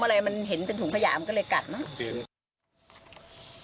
เค้าอะไรเค้ามันเห็นเป็นถุงพยาก็เลยการกัดมา